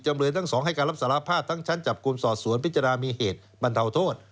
เลยทั้งสองให้การรับสารภาพทั้งชั้นจับกลุ่มสอบสวนพิจารณามีเหตุบรรเทาโทษ